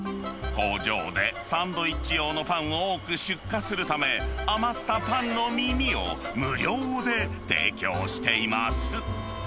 工場でサンドイッチ用のパンを多く出荷するため、余ったパンの耳を、無料で提供しています。